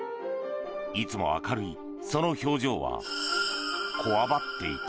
いつも明るいその表情はこわばっていた。